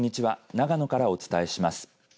長野からお伝えします。